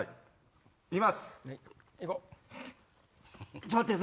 行きます！